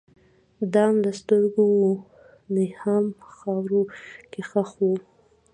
دام له سترګو وو نیهام خاورو کي ښخ وو